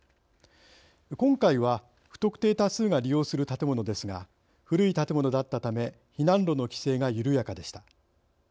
今回は不特定多数が利用する建物ですが古い建物だったため避難路の規制が緩やかでした。